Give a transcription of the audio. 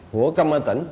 của công an tỉnh